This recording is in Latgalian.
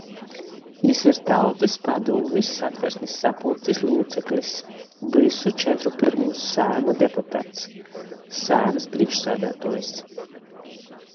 Jis ir Tautys padūmis, Satversmis sapuļcis lūceklis, vysu četru pyrmūs Saeimu deputats, Saeimys prīšksādātuojs.